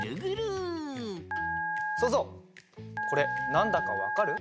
そうぞうこれなんだかわかる？